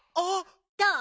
どう？